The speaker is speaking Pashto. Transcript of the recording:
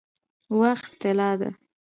وخت طلا ده؟